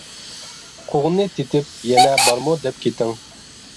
قوغۇنىنى تېتىپ، يەنە، بارمۇ، دەپ كېتىڭ.